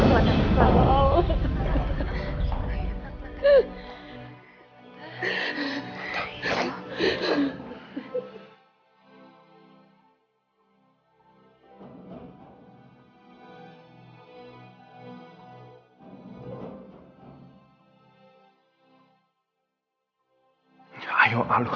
kita doain allah